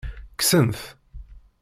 Kksen-t.